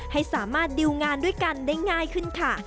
ให้สามารถดิวงานด้วยกันได้ง่ายขึ้นค่ะ